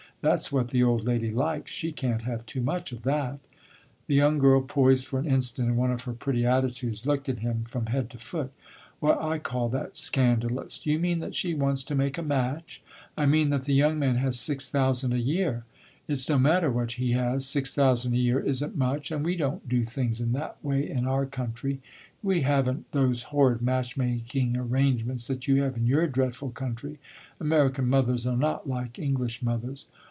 That 's what the old lady likes; she can't have too much of that." The young girl, poised for an instant in one of her pretty attitudes, looked at him from head to foot. "Well, I call that scandalous! Do you mean that she wants to make a match?" "I mean that the young man has six thousand a year." "It 's no matter what he has six thousand a year is n't much! And we don't do things in that way in our country. We have n't those horrid match making arrangements that you have in your dreadful country. American mothers are not like English mothers."